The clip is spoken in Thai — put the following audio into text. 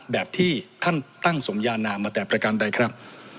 แบบที่ท่านตั้งสมยานามาแต่ประการใดครับ